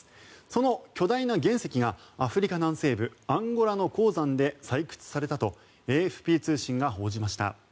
その巨大な原石がアフリカ南西部アンゴラの鉱山で採掘されたとＡＦＰ通信が報じました。